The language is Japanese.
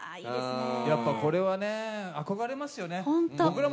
やっぱこれはね、憧れますよ。